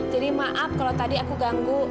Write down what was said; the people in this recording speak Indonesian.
jadi maaf kalau tadi aku ganggu